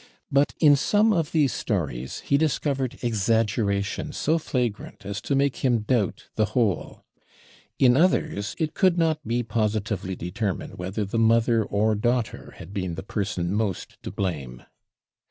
But in some of these stories he discovered exaggeration so flagrant as to make him doubt the whole; in others, it could not be positively determined whether the mother or daughter had been the person most to blame.